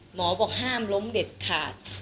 หมอบอกห้ามล้มเด็ดขาด